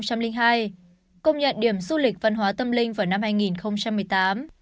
công nhận điểm du lịch văn hóa tâm linh vào năm hai nghìn một mươi tám